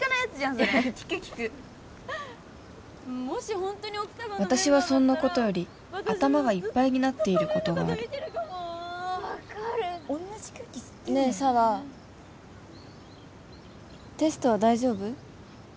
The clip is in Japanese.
それ聞く聞く私はそんなことより頭がいっぱいになっていることがあるねえ紗羽テストは大丈夫？